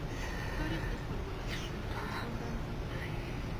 تاریخ د خپل ولس د کلیوال ژوند انځور دی.